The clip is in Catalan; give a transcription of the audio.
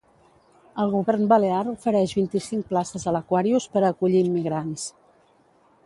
El govern balear ofereix vint-i-cinc places a l'Aquarius per a acollir immigrants.